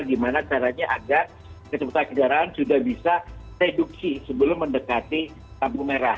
gimana caranya agar kecepatan kendaraan sudah bisa reduksi sebelum mendekati lampu merah